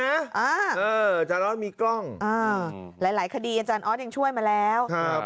อาจารย์อ๊อตมีกล้องนะหลายคดีอาจารย์อ๊อตยังช่วยมาแล้ว